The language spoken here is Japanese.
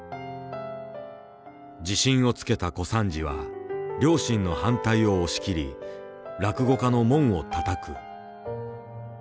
自信をつけた小三治は両親の反対を押し切り落語家の門をたたく。